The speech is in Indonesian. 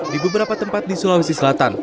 di beberapa tempat di sulawesi selatan